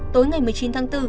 tối ngày một mươi chín tháng bốn